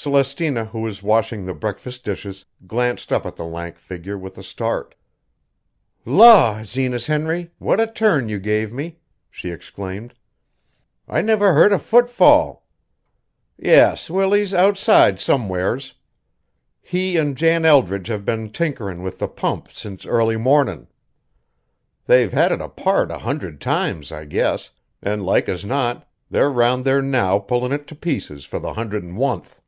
Celestina, who was washing the breakfast dishes, glanced up at the lank figure with a start. "Law, Zenas Henry, what a turn you gave me!" she exclaimed. "I never heard a footfall. Yes, Willie's outside somewheres. He and Jan Eldridge have been tinkerin' with the pump since early mornin'. They've had it apart a hundred times, I guess, an' like as not they're round there now pullin' it to pieces for the hundred an' oneth."